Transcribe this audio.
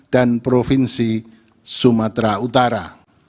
dan provinsi sumatera utara